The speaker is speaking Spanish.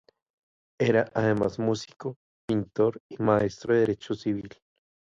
Era además músico, pintor y maestro de derecho civil.